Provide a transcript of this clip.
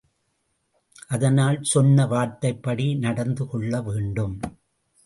அதனால் சொன்ன வார்த்தைப் படி நடந்து கொள்ள வேண்டும்.